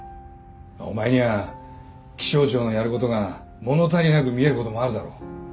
お前には気象庁のやることが物足りなく見えることもあるだろう。